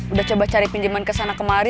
udah coba cari pinjeman kesana kemari